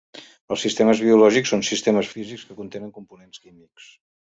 Els sistemes biològics són sistemes físics que contenen components químics.